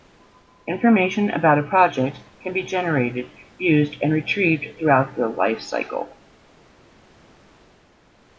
Information about a project can be generated, used and retrieved throughout the life cycle.